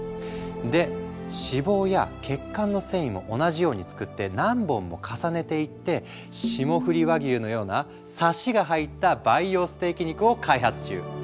で脂肪や血管の繊維も同じように作って何本も重ねていって霜降り和牛のようなサシが入った培養ステーキ肉を開発中。